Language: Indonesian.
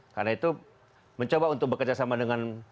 karena itu mencoba untuk bekerjasama dengan